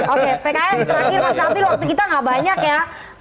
oke pks terakhir mas nabil waktu kita gak banyak ya